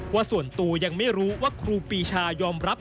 ว่าส่วนตัวยังไม่รู้ว่าครูปีชายอมรับ